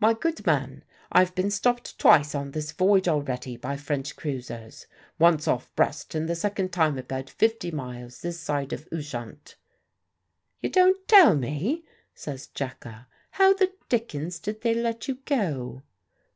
"My good man, I've been stopped twice on this voyage already by French cruisers: once off Brest, and the second time about fifty miles this side of Ushant." "You don't tell me!" says Jacka. "How the dickens did they let you go?"